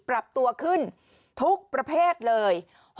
ปรับตัวขึ้นทุกประเภทเลย